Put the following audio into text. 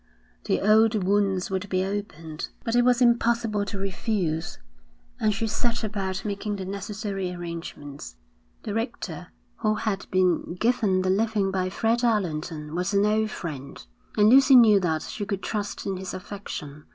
The old wounds would be opened. But it was impossible to refuse, and she set about making the necessary arrangements. The rector, who had been given the living by Fred Allerton, was an old friend, and Lucy knew that she could trust in his affection.